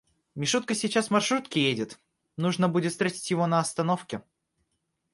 Мишутка сейчас в маршрутке едет, нужно будет встретить его на остановке.